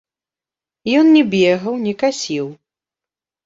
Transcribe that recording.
Ён не бегаў, не касіў.